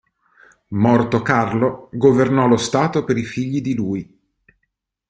Morto Carlo, governò lo stato per i figli di lui.